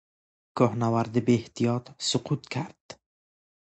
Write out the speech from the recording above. کوهنورد بیاحتیاط سقوط کرد.